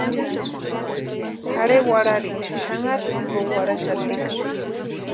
Tʼarhe warharicha xanharu jimpo warhaxatiksï.